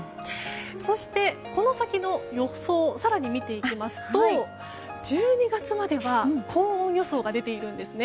そして、この先の予想を更に見ていきますと１２月までは高温予想が出ているんですね。